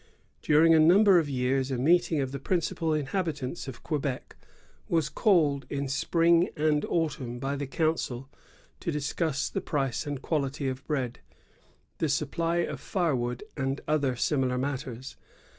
During a number of years a meeting of the principal inhabitants of Quebec was called in spring and autumn by the council to discuss the price and quality of bread, the supply of firewood, and other similar matters.